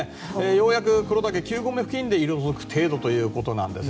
ようやく黒岳９合目付近で色づく程度ということなんです。